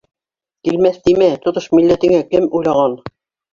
Килмәҫ тимә тотош милләтеңә Кем уйлаған...